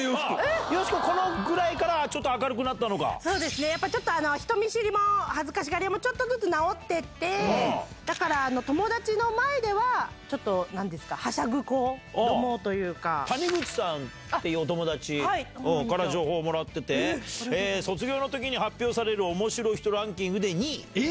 よしこ、このぐらいから、そうですね、ちょっと人見知りも恥ずかしがり屋もちょっとずつ直っていって、だから、友達の前では、ちょっとなんですか、はしゃぐ子どもとい谷口さんっていうお友達から情報をもらってて、卒業のときに発表されるおもしろい人ランキングで２位。